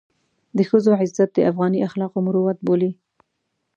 د ښځو عزت د افغاني اخلاقو مروت بولي.